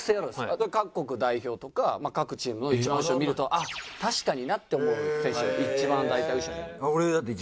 あと各国代表とか各チームの一番後ろを見るとあっ確かになって思う選手が一番大体後ろ。